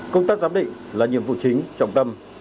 công tác giám định là nhiệm vụ chính trọng tâm